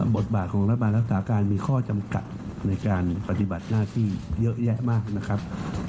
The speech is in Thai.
บทบาทของรัฐบาลรักษาการมีข้อจำกัดในการปฏิบัติหน้าที่เยอะแยะมากนะครับ